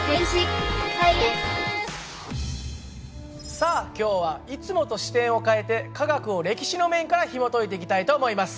さあ今日はいつもと視点を変えて科学を歴史の面からひもといていきたいと思います。